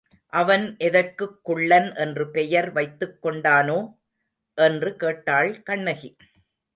அவன் எதற்குக் குள்ளன் என்று பெயர் வைத்துக் கொண்டானோ? என்று கேட்டாள் கண்ணகி.